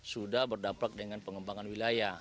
sudah berdampak dengan pengembangan wilayah